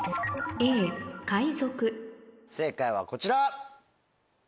正解はこちら。